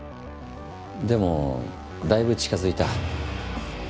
でもだいぶ近づいた。